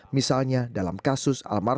misalnya dalam kesehatan